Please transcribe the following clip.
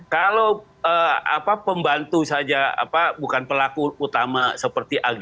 kalau pembantu saja bukan pelaku utama seperti ag